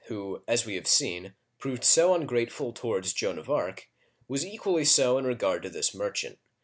who, as we have seen, proved so ungrateful towards Joan of Arc, was equally so in regard to this mer chant.